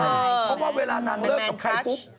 เพราะว่าเวลานางเลิกกับใครปุ๊บ